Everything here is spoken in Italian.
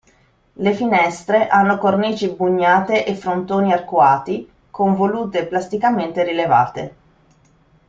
Le finestre hanno cornici bugnate e frontoni arcuati, con volute plasticamente rilevate.